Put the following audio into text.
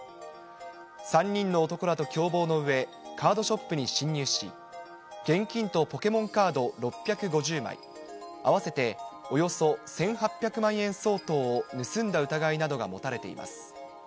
３人の男らと共謀のうえ、カードショップに侵入し、現金とポケモンカード６５０枚、合わせておよそ１８００万円相当を盗んだ疑いなどが持たれています。